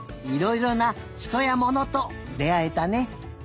いろいろなひとやものとであえたね。